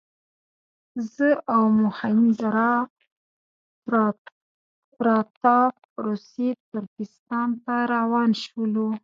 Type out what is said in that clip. زه او مهیندراپراتاپ روسي ترکستان ته روان شولو.